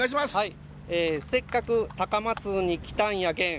「せっかく高松に来たんやけん」